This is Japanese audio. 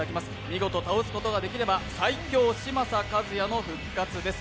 見事倒すことができれば最強・嶋佐和也の復活です。